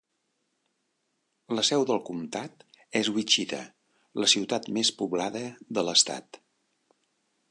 La seu del comtat és Wichita, la ciutat més poblada de l'estat.